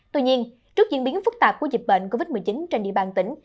tuy nhiên trước diễn biến phức tạp của dịch bệnh covid một mươi chín trên địa bàn tỉnh